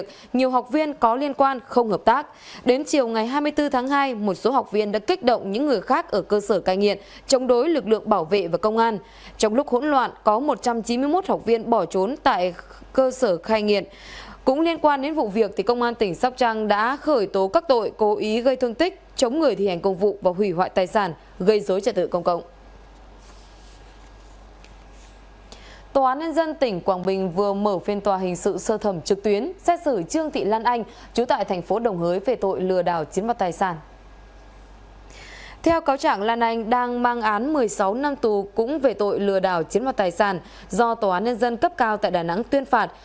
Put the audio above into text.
theo cáo trạng lan anh đang mang án một mươi sáu năm tù cũng về tội lừa đảo chiến mặt tài sản do tòa án nhân dân cấp cao tại đà nẵng tuyên phạt